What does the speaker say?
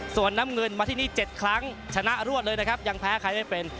ส่วนน้ำเงินมาที่นี่๗ครั้งชนะรวดเลยนะครับยังแพ้ใครไม่เป็น